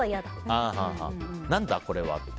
何だこれはって。